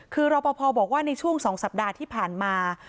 คือรอปภบอกว่าในช่วง๒สัปดาห์ที่ผ่านมา